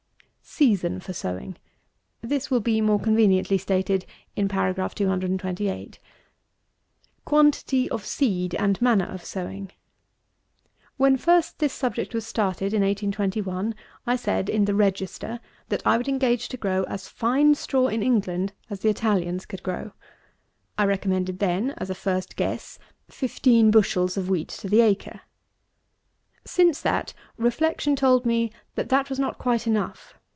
226. SEASON FOR SOWING. This will be more conveniently stated in paragraph 228. 227. QUANTITY OF SEED AND MANNER OF SOWING. When first this subject was started in 1821, I said, in the Register, that I would engage to grow as fine straw in England as the Italians could grow. I recommended then, as a first guess, fifteen bushels of wheat to the acre. Since that, reflection told me that that was not quite enough.